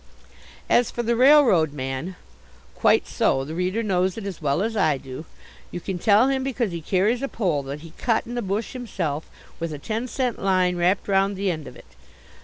As for the railroad man quite so, the reader knows it as well as I do you can tell him because he carries a pole that he cut in the bush himself, with a ten cent line wrapped round the end of it.